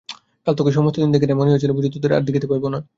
কাল তোকে সমস্তদিন দেখি নাই, মনে হইয়াছিল বুঝি তোদের আর দেখিতে পাইব না।